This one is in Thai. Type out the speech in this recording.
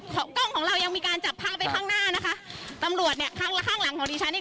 กล้องของเรายังมีการจับภาพไว้ข้างหน้านะคะตำรวจเนี่ยข้างและข้างหลังของดิฉันเนี่ย